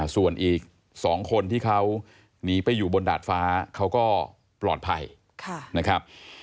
ส่วนอีก๒คนที่เขาหนีไปอยู่บนดาดฟ้าเขาก็ปลอดภัยนะครับ